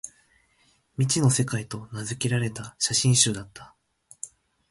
「未知の世界」と名づけられた写真集だった